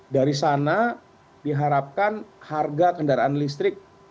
dari sana diharapkan harga kendaraan listrik